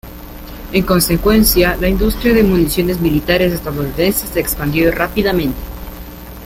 En consecuencia, la industria de municiones militares estadounidense se expandió rápidamente.